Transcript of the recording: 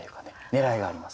狙いがありますね。